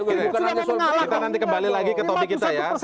kita nanti kembali lagi ke topik kita ya